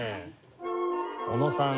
小野さん